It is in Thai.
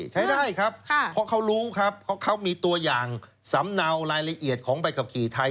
ใช้ได้ครับเพราะเขารู้ครับเพราะเขามีตัวอย่างสำเนารายละเอียดของใบขับขี่ไทย